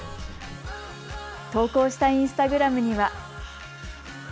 投稿したインスタグラムには。